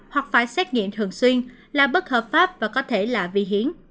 hoặc phải xét nghiệm thường xuyên là bất hợp pháp và có thể là vi hiến